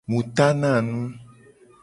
Mu tana nu.